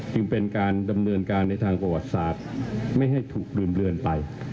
เป็นการดำเนินการในทางประวัติศาสตร์ไม่ให้ถูกลืมเลือนไป